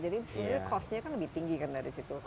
jadi sebenarnya cost nya kan lebih tinggi kan dari situ